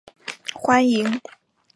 欢迎青年前来参与